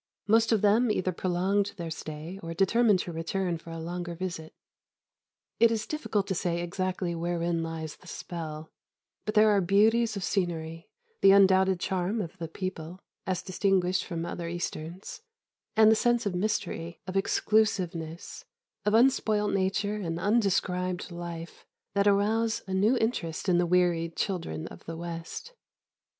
Most of them either prolonged their stay, or determined to return for a longer visit. It is difficult to say exactly wherein lies the spell, but there are beauties of scenery, the undoubted charm of the people (as distinguished from other Easterns), and the sense of mystery, of exclusiveness, of unspoilt nature and undescribed life, that arouse a new interest in the wearied children of the West.